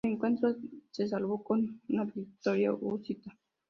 El encuentro se saldó con una victoria husita.